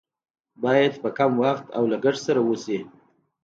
باید په کم وخت او لګښت سره وشي.